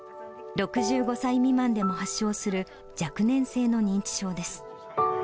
６５歳未満でも発症する若年性の認知症です。